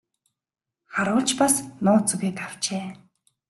Харуул ч бас нууц үгийг авчээ.